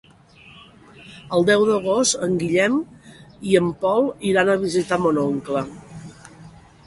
El deu d'agost en Guillem i en Pol iran a visitar mon oncle.